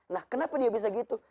nah kenapa dia bisa gitu